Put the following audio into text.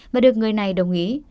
mà được người này đồng ý